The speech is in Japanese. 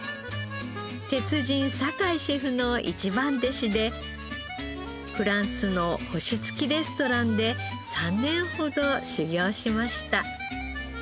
鉄人坂井シェフの一番弟子でフランスの星つきレストランで３年ほど修業しました。